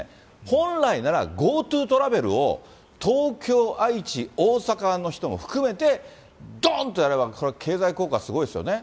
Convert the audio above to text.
本来なら、ＧｏＴｏトラベルを東京、愛知、大阪の人も含めて、どんとやれば、これは経済効果、すごいですよね。